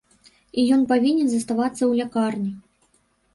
І ён павінен заставацца ў лякарні.